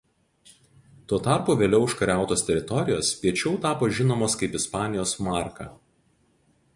Tuo tarpu vėliau užkariautos teritorijos piečiau tapo žinomos kaip Ispanijos marka.